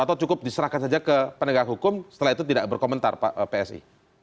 atau cukup diserahkan saja ke penegak hukum setelah itu tidak berkomentar pak psi